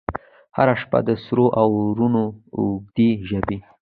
هره شپه د سرو اورونو، اوږدي ژبې،